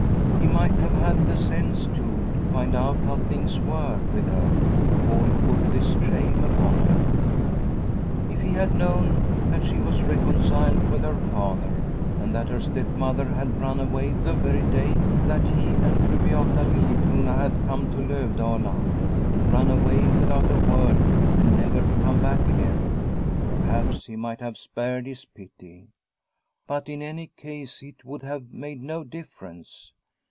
He might have had the sense, too, to find out how things were with her before he put this shame upon her. If he had known that she 248 Lilieciona's Home was reconciled with her father and that her stepmother had run away the very day that he and Fru Beata Liliecrona had come to Lovdala, run away without a word and never come back again, perhaps he might have spared his pity. But in any case it would have made no difference.